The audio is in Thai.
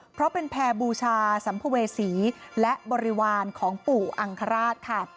เพราะเป็นแพร่บูชาสัมภเวษีและบริวารของปู่อังคราชค่ะ